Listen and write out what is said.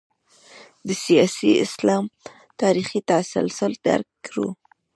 د سیاسي اسلام تاریخي تسلسل درک کړو.